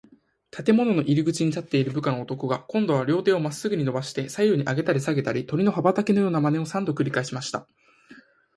建物の入口に立っている部下の男が、こんどは両手をまっすぐにのばして、左右にあげたりさげたり、鳥の羽ばたきのようなまねを、三度くりかえしました。